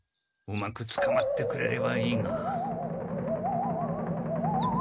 うまくつかまってくれればいいが。